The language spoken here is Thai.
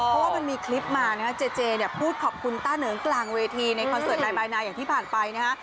เพราะว่ามันมีคลิปมานะฮะเจเจเนี่ยพูดขอบคุณต้าเหนิงกลางเวทีในคอนเสิร์ตนายบายนายอย่างที่ผ่านไปนะฮะ